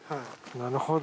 なるほど。